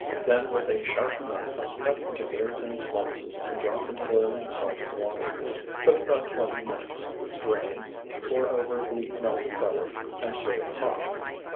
Then with a sharp knife cut into very thin slices and drop into boiling salted water. Cook about twenty minutes. Drain, pour over the melted butter, and serve hot.